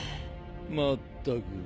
まったく。